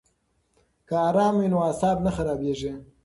که آرام وي نو اعصاب نه خرابیږي.